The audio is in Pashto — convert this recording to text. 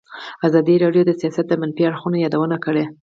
ازادي راډیو د سیاست د منفي اړخونو یادونه کړې.